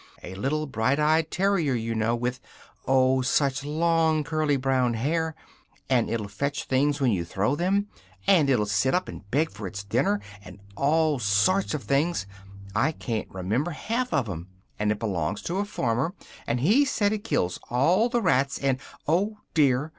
A little bright eyed terrier, you know, with oh! such long curly brown hair! And it'll fetch things when you throw them, and it'll sit up and beg for its dinner, and all sorts of things I ca'n't remember half of them and it belongs to a farmer, and he says it kills all the rats and oh dear!"